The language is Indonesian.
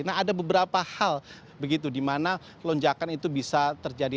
nah ada beberapa hal begitu di mana lonjakan itu bisa terjadi